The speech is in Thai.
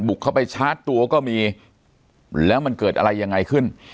เข้าไปชาร์จตัวก็มีแล้วมันเกิดอะไรยังไงขึ้น